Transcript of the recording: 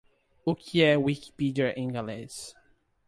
O que é Wikipedia em galês?